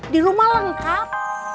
di rumah lengkap